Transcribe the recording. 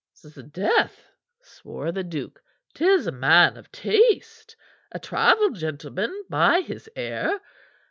"'Sdeath!" swore the duke. "'Tis a man of taste a travelled gentleman by his air.